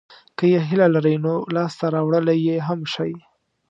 که یې هیله لرئ نو لاسته راوړلای یې هم شئ.